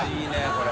これ。